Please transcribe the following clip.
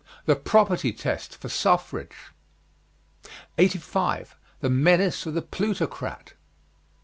THE PROPERTY TEST FOR SUFFRAGE. 85. THE MENACE OF THE PLUTOCRAT.